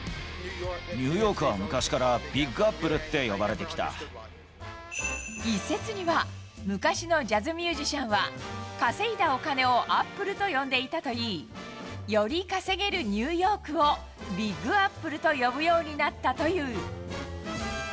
ニューヨークは昔からビッグ一説には、昔のジャズミュージシャンは、稼いだお金をアップルと呼んでいたといい、より稼げるニューヨークをビッグ・アップルと呼ぶようになったという。